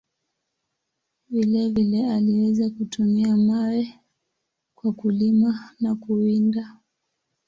Vile vile, aliweza kutumia mawe kwa kulima na kuwinda.